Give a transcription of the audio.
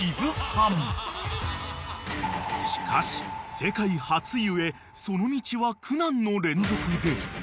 ［しかし世界初故その道は苦難の連続で］